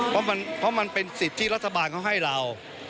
เพราะมันเป็นสิทธิ์ที่รัฐบาลเขาให้เรา